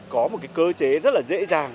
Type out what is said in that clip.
có một cơ chế rất là dễ dàng